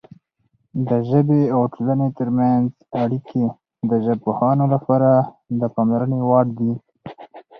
د ژبې او ټولنې ترمنځ اړیکې د ژبپوهانو لپاره د پاملرنې وړ دي.